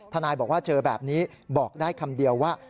ทนายบอกว่าเจอแบบนี้บอกได้คำเดียวว่า